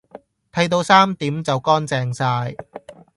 剃到三點就乾淨曬